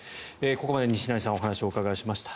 ここまで西成さんにお話をお伺いしました。